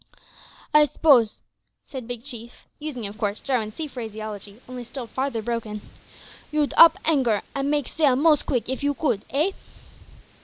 "I s'pose," said Big Chief, using, of course, Jarwin's sea phraseology, only still farther broken, "you'd up ankar an' make sail most quick if you could, eh?"